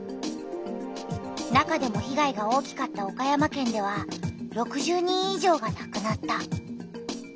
中でも被害が大きかった岡山県では６０人い上がなくなった。